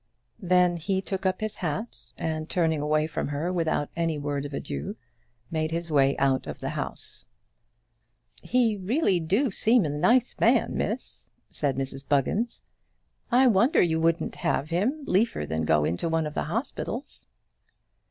Then he took up his hat, and, turning away from her without any word of adieu, made his way out of the house. "He really do seem a nice man, Miss," said Mrs Buggins. "I wonder you wouldn't have him liefer than go into one of them hospitals."